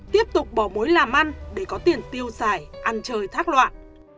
tiếp tục bỏ mối làm ăn để có tiền tiêu xài ăn chơi thác loạn